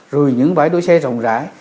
rồi những bãi đuôi xe rộng rãi